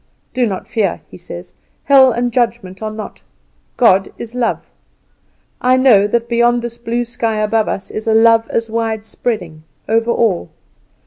"Do not fear," he says; "hell and judgment are not. God is love. I know that beyond this blue sky above us is a love as wide spreading over all.